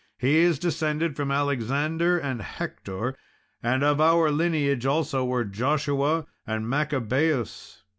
He is descended from Alexander and Hector, and of our lineage also were Joshua and Maccabaeus.